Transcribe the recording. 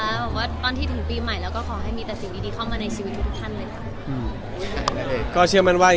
แล้วก็ขอให้มีแต่สิ่งดีเข้ามาในชีวิตทุกท่านเลยครับ